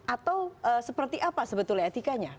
atau seperti apa sebetulnya etikanya